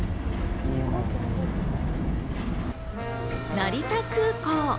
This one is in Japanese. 成田空港。